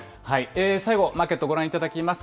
最後、マーケットご覧いただきます。